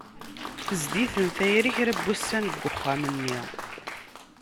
Tezdi-ten tayri kra n wussan deg uxxam-nni.